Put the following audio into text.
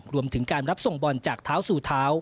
รวมถึงการรับส่งบอลจากเท้าสู่เท้า